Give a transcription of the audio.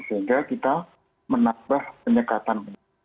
sehingga kita menambah penyekatan